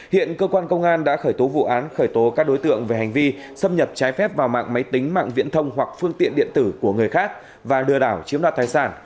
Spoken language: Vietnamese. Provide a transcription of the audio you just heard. hiện cơ quan công an đã khởi tố vụ án khởi tố các đối tượng về hành vi xâm nhập trái phép vào mạng máy tính mạng viễn thông hoặc phương tiện điện tử của người khác và lừa đảo chiếm đoạt tài sản